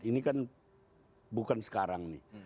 ini kan bukan sekarang nih